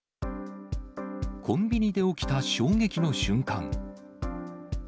コンビニで起きた衝撃の瞬間。